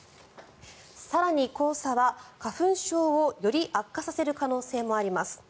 更に、黄砂は花粉症をより悪化させる可能性もあります。